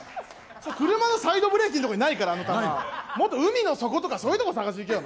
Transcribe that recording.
車のサイドブレーキのところにないから、もっと海の底とかそういうとこ、探しに行けよ。